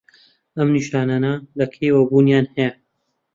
ئەم نیشانانه لە کەیەوە بوونیان هەیە؟